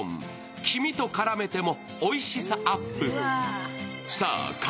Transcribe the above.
黄身と絡めてもおいしさアップ。